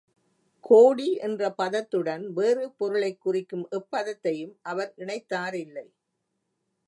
கோடி என்ற பதத்துடன், வேறு பொருளைக் குறிக்கும் எப்பதத்தையும் அவர் இணைத்தாரில்லை!